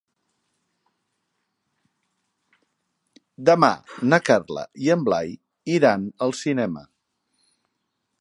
Demà na Carla i en Blai iran al cinema.